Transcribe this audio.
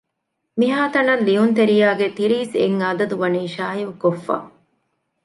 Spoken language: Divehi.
މިހާތަނަށް ލިޔުންތެރިޔާ ގެ ތިރީސް އެއް އަދަދު ވަނީ ޝާއިޢުކޮށްފަ